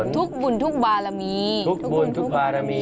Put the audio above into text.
ทุกบุญทุกบารมีทุกบุญทุกบารมี